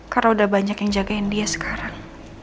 karena udah banyak yang jagain dia sekarang